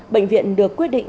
bệnh viện được quyết định